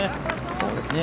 そうですね。